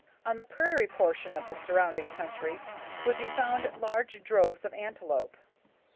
On the prairie portion of the surrounding country could be found large droves of antelope.